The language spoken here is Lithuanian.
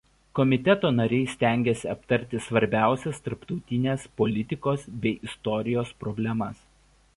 Komiteto nariai stengėsi aptarti svarbiausias tarptautinės politikos bei istorijos problemas.